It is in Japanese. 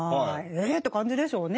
えって感じでしょうね